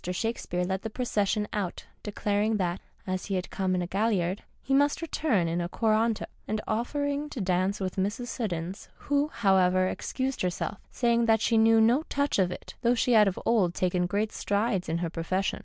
Shakespeare led the procession out, declaring that, as he had come in a galliard, he must return in a coranto, and offering to dance it with Mrs. Siddons, who, however, excused herself, saying that she knew no touch of it, though she had of old taken great strides in her profession.